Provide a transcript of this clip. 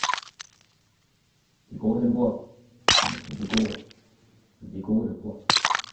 Digoret em boa, ne'm boa ket digoret, ha digoret ho poa.